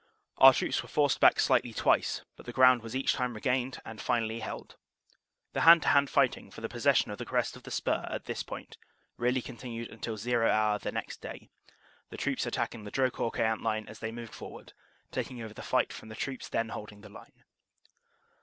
Our troops were forced back slightly twice, but the ground was each time regained and finally held. The hand to hand fighting for the possession of the crest of the spur at this point really continued until zero hour the next day, the troops attacking the Drocourt Queant line as they moved forward, taking over the fight from the troops then holding the line."